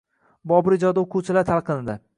Bobur ijodi o‘quvchilar talqinida